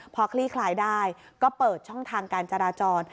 พอคลี่คลายได้ก็เปิดช่องทางการจราจร